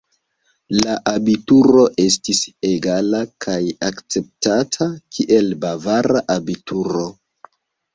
La abituro estis egala kaj akceptata, kiel bavara abituro.